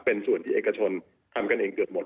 เป็นส่วนที่เอกชนทำกันเองเกือบหมด